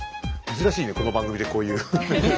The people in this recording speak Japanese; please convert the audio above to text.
珍しいねこの番組でこういう。